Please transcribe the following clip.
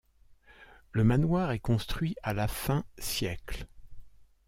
Le manoir est construit à la fin siècle.